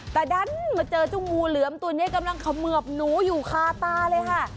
ตะดั้นมาเจองูเหลือมตัวเนี้ยกำลังขมือบหนูอยู่คาตาเลยฮะ